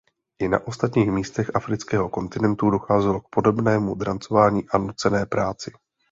I na ostatních místech afrického kontinentu docházelo k podobnému drancování a nucené práci.